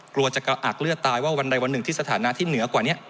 กลัวจะกระอักเลือดตายว่าวันใดวันหนึ่งที่สถานะที่เหนือกว่านี้